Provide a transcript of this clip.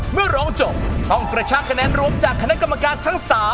เมื่อร้องจบต้องกระชักคะแนนรวมจากคณะกรรมการทั้ง๓